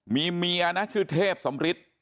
มีเมียนะชื่อเทพสำริท